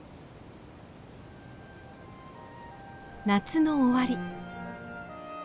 夏の終わり。